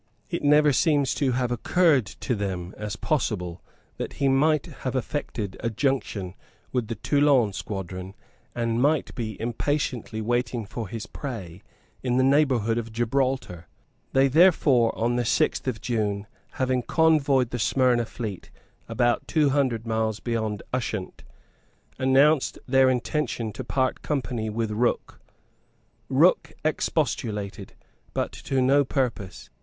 It never seems to have occurred to them as possible that he might have effected a junction with the Toulon squadron, and might be impatiently waiting for his prey in the neighbourhood of Gibraltar. They therefore, on the sixth of June, having convoyed the Smyrna fleet about two hundred miles beyond Ushant, announced their intention to part company with Rooke. Rooke expostulated, but to no purpose.